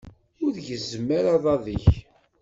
Ur gezzem ara aḍad-ik.